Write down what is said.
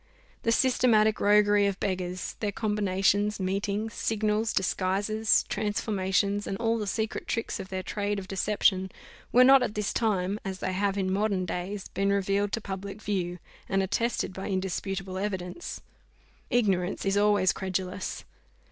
The systematic roguery of beggars, their combinations, meetings, signals, disguises, transformations, and all the secret tricks of their trade of deception, were not at this time, as they have in modern days, been revealed to public view, and attested by indisputable evidence. Ignorance is always credulous.